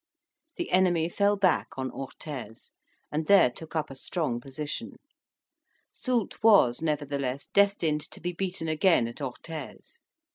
The enemy fell back on Orthes, and there took up a strong position; Soult was, nevertheless, destined to be beaten again at Orthes.